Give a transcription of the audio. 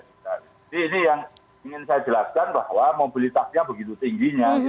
jadi ini yang ingin saya jelaskan bahwa mobilitasnya begitu tingginya